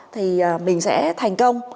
thì mình sẽ thành công